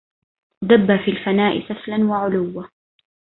دب في الفناء سفلا وعلوا